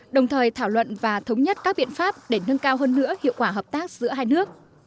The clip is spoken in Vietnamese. đồng thời thảo luận và thống nhất các biện pháp để nâng cao hơn nữa hiệu quả hợp tác giữa hai nước